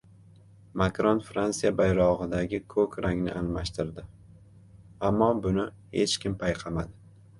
Makron Fransiya bayrog‘idagi ko‘k rangni almashtirdi. Ammo buni hech kim payqamadi